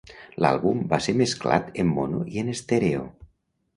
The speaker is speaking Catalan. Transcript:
L'àlbum va ser mesclat en mono i en estèreo.